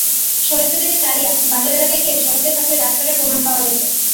সরেজমিনে চারিয়া বাজার এলাকায় গিয়ে সড়কের পাশের গাছ কাটার প্রমাণ পাওয়া গেছে।